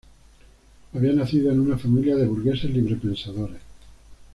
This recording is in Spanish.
Había nacido en una familia de burgueses librepensadores.